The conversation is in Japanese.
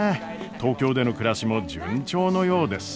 東京での暮らしも順調のようです。